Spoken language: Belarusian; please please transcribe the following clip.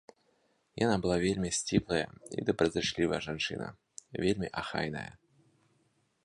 Яна была вельмі сціплая і добразычлівая жанчына, вельмі ахайная.